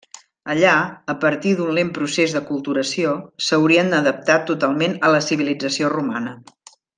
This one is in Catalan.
Allà, a partir d’un lent procés d’aculturació, s’haurien adaptat totalment a la civilització romana.